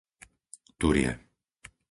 Turie